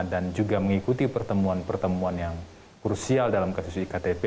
dan juga mengikuti pertemuan pertemuan yang krusial dalam kasus iktp